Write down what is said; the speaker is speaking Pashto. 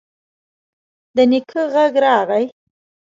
د نيکه غږ راغی: